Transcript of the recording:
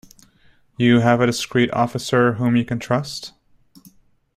You have a discreet officer whom you can trust?